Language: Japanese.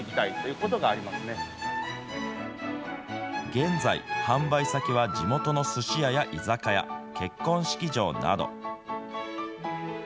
現在、販売先は地元のすし屋や居酒屋、結婚式場など。